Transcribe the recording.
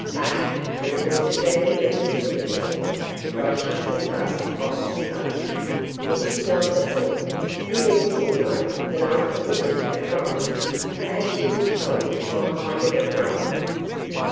'Bah!' retorted Vandeloup, cynically, brushing some dust off his coat, 'this is not the point; you insinuate that I committed a crime, perhaps you will tell me what kind of a crime?